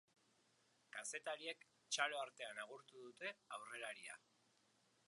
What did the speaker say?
Kazetariek txalo artean agurtu dute aurrelaria.